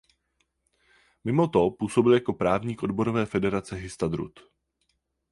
Mimo to působil jako právník odborové federace Histadrut.